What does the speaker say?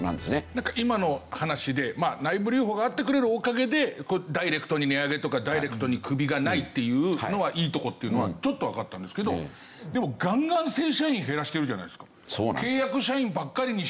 なんか今の話で内部留保があってくれるおかげでダイレクトに値上げとかダイレクトにクビがないっていうのはいいところっていうのはちょっとわかったんですけどでも悪いですね。